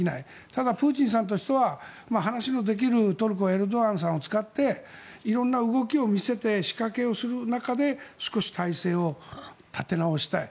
ただ、プーチンさんとしては話のできるトルコ、エルドアンさんを使って色んな動きを見せて仕掛けをする中で少し態勢を立て直したい。